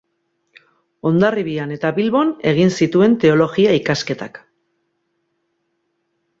Hondarribian eta Bilbon egin zituen teologia-ikasketak.